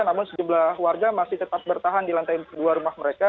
namun sejumlah warga masih tetap bertahan di lantai dua rumah mereka